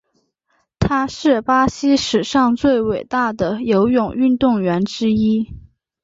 他是巴西历史上最伟大游泳运动员之一。